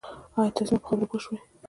آیا تاسي زما په خبرو پوه شوي